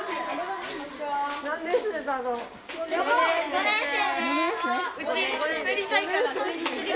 ５年生？